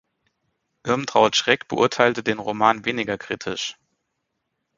Irmtraut Schreck beurteilte den Roman weniger kritisch.